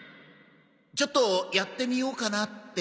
ちょっとやってみようかなって。